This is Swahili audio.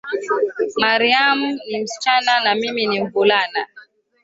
Mariam ni msichana na mimi ni mvulana